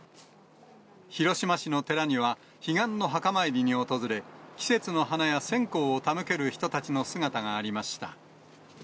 広島市の寺には、彼岸の墓参りに訪れ、季節の花や線香を手向ける人たちの姿がありました。